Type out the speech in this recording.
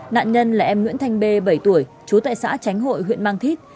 nạn nhân là em nguyễn thanh b bảy tuổi trú tại xã tránh hội huyện mang thít